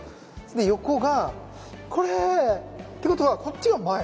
で横がこれってことはこっちが前？